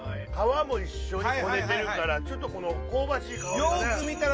皮も一緒にこねてるからちょっとこの香ばしい香りがね。